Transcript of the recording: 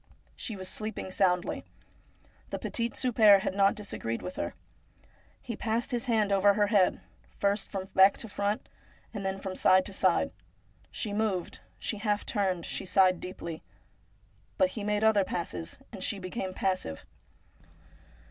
She was sleeping soundly. The petit souper had not disagreed with her. He passed his hand over her head, first from back to front, and then from side to side. She moved, she half turned, she sighed deeply ; but he made other passes, and she became passive.